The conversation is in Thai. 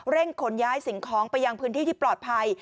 ขนย้ายสิ่งของไปยังพื้นที่ที่ปลอดภัย